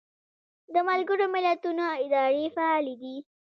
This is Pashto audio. د ملګرو ملتونو ادارې فعالې دي